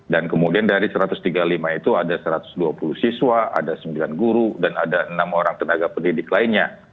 dan kemudian dari satu ratus tiga puluh lima itu ada satu ratus dua puluh siswa ada sembilan guru dan ada enam orang tenaga pendidik lainnya